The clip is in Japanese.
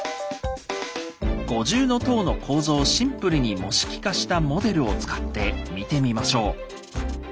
五重塔の構造をシンプルに模式化したモデルを使って見てみましょう。